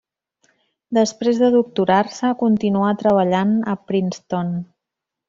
Després de doctorar-se continuà treballant a Princeton.